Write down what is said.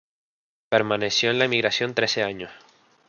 Permaneció en la emigración trece años.